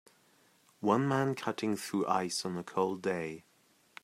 One man cutting through ice on a cold day.